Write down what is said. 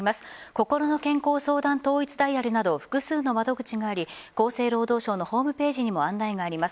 こころの健康相談統一ダイヤルなど複数の窓口があり厚生労働省のホームページにも案内があります。